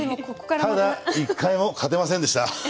ただ１回も勝てませんでした。